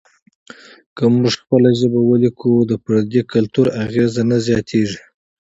که موږ خپله ژبه ولیکو، پردي کلتور اغېز نه زیاتیږي.